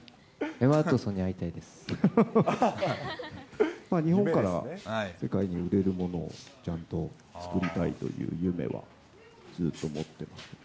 エマ・ワトソンさんに会いた日本から世界に売れるものを、ちゃんと作りたいという夢はずっと持ってます。